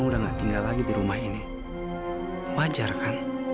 boleh wolves ditiru plastic it apa kotor kan